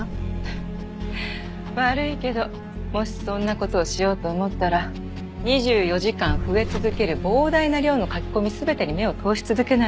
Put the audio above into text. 悪いけどもしそんな事をしようと思ったら２４時間増え続ける膨大な量の書き込み全てに目を通し続けないと。